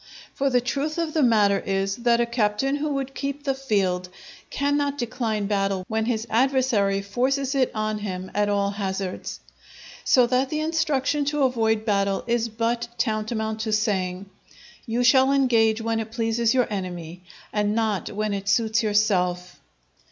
For the truth of the matter is, that a captain who would keep the field, cannot decline battle when his adversary forces it on him at all hazards. So that the instruction to avoid battle is but tantamount to saying, "You shall engage when it pleases your enemy, and not when it suits yourself."